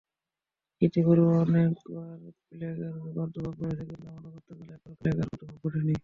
ইতিপূর্বে অনেকবার প্লেগের প্রাদুর্ভাব হয়েছে, কিন্তু আমার রাজত্বকালে একবারও প্লেগের প্রাদুর্ভাব ঘটেনি।